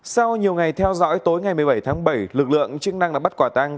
sau nhiều ngày theo dõi tối ngày một mươi bảy tháng bảy lực lượng chức năng đã bắt quả tăng